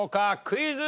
クイズ。